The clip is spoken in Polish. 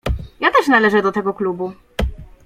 "Ja też należę do tego klubu."